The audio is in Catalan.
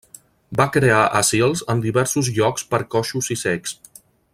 Va crear asils en diversos llocs per coixos i cecs.